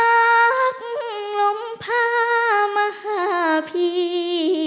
ฝากรักลมพามหาพี่